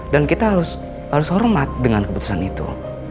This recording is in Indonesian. dan kita harus harus hormat dengan keputusan itu